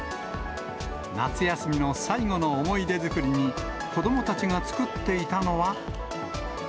夏休みの最後の思い出作りに、子どもたちが作っていたのは。